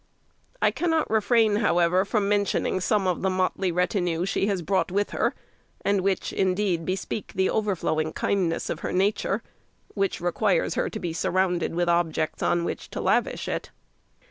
I cannot refrain, however, from mentioning some of the motley retinue she has brought with her; and which, indeed, bespeak the overflowing kindness of her nature, which requires her to be surrounded with objects on which to lavish it.